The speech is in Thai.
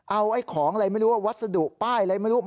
เอาไอ้ของอะไรไม่รู้ว่าวัสดุป้ายอะไรไม่รู้